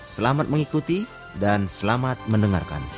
selamat mengikuti dan selamat mendengarkan